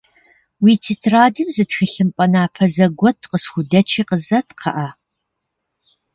Уи тетрадым зы тхылъымпӏэ напэ зэгуэт къысхудэчи къызэт, кхъыӏэ.